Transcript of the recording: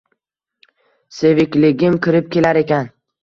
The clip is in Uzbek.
Sevikligim kirib kelar ekan